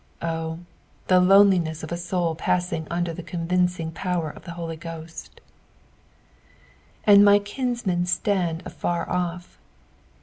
Oh, the lone liness of a soul passing under the convincing power of the Holy Ghost 1 " Arid my Icintnien ttajid afar off.'''